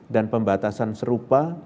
dan pembatasan serupa